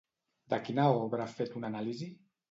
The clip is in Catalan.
De quina obra ha fet una anàlisi?